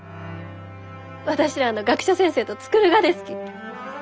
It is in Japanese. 私らの学者先生と造るがですき。